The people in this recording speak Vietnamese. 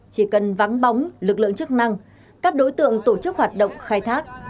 chỉ cần vắng bóng lực lượng chức năng các đối tượng tổ chức hoạt động khai thác